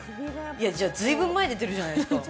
いやじゃあ随分前出てるじゃないですか。